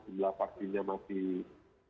sebelah vaksinnya masih